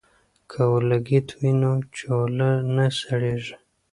که اورلګیت وي نو چولہ نه سړیږي.